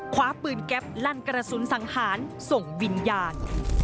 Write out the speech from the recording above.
คว้าปืนแก๊ปลั่นกระสุนสังหารส่งวิญญาณ